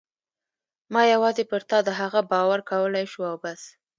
ما یوازې پر تا د هغه باور کولای شو او بس.